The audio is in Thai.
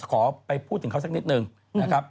ขอไปพูดถึงเขาสักนิดนึงนะครับ